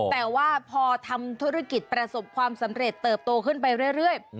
แต่ว่าพอทำธุรกิจประสบความสำเร็จเติบโตขึ้นไปเรื่อย